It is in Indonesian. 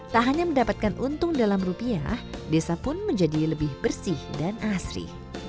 tak hanya mendapatkan untung dalam rupiah desa pun menjadi lebih bersih dan asri